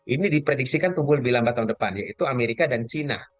ini diprediksikan tumbuh lebih lambat tahun depan yaitu amerika dan china